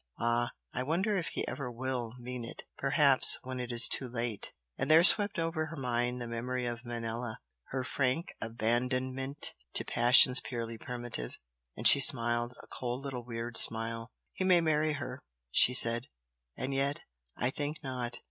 Ah! I wonder if he ever WILL mean it! Perhaps when it is too late!" And there swept over her mind the memory of Manella her rich, warm, dark beauty her frank abandonment to passions purely primitive, and she smiled, a cold little weird smile. "He may marry her," she said "And yet I think not!